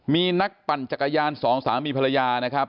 มีนักปั่นจักรยานสองสามีภรรยานะครับ